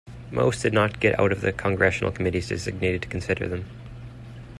Most did not get out of the Congressional committees designated to consider them.